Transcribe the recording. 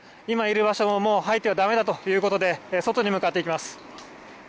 今いる場所ももう入ってはだめだということで、外に向かっていき